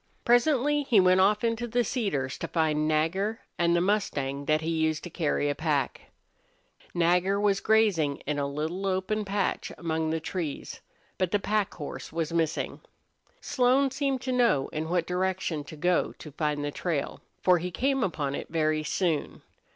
Presently he went off into the cedars to find Nagger and the mustang that he used to carry a pack. Nagger was grazing in a little open patch among the trees, but the pack horse was missing. Slone seemed to know in what direction to go to find the trail, for he came upon it very soon.